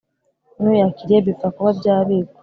n uyakiriye bipfa kuba byabikwa